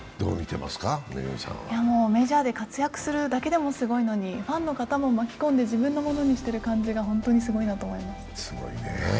メジャーで活躍するだけでもすごいのにファンの方も巻き込んで自分のものにしてる感じが本当にすごいなと思います。